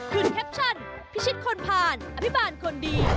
คุณแคปชั่นพิชิตคนผ่านอภิบาลคนดี